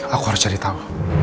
aku harus jadi tau